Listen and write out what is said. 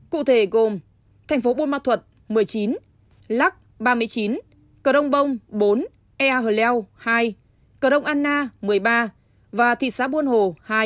cụ thể gồm thành phố buôn ma thuật một mươi chín lắc ba mươi chín cờ đông bông bốn ea hờ leo hai cờ đông anna một mươi ba và thị xã buôn hồ